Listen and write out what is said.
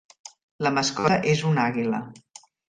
La mascota és una àguila.